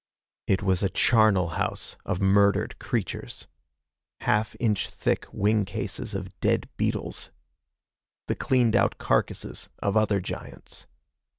It was a charnel house of murdered creatures. Half inch thick wing cases of dead beetles. The cleaned out carcasses of other giants.